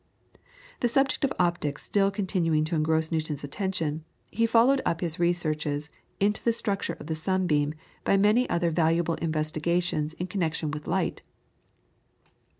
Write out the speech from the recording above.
The subject of optics still continuing to engross Newton's attention, he followed up his researches into the structure of the sunbeam by many other valuable investigations in connection with light.